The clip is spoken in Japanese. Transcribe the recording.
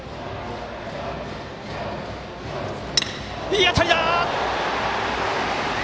いい当たりだ！